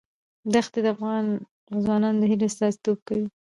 دښتې د افغان ځوانانو د هیلو استازیتوب کوي.